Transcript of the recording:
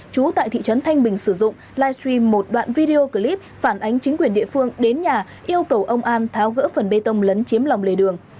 chú tại thị trấn thanh bình sử dụng livestream một đoạn video clip phản ánh chính quyền địa phương đến nhà yêu cầu ông an tháo gỡ phần bê tông lấn chiếm lòng lề đường